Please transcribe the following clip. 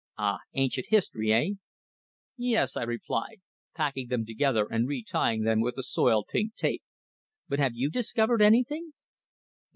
"Ah! Ancient history, eh?" "Yes," I replied, packing them together and retying them with the soiled, pink tape. "But have you discovered anything?"